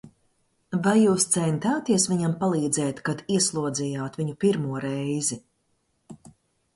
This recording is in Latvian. Vai jūs centāties viņam palīdzēt, kad ieslodzījāt viņu pirmo reizi?